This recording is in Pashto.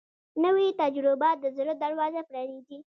نوې تجربه د زړه دروازه پرانیزي